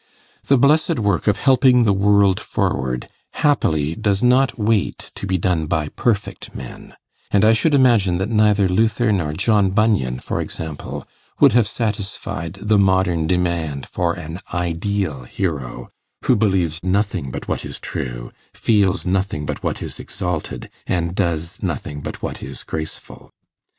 The blessed work of helping the world forward, happily does not wait to be done by perfect men; and I should imagine that neither Luther nor John Bunyan, for example, would have satisfied the modern demand for an ideal hero, who believes nothing but what is true, feels nothing but what is exalted, and does nothing but what is graceful.